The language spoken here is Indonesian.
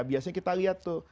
biasanya kita lihat tuh